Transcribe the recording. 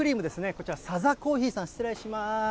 こちら、サザコーヒーさん、失礼します。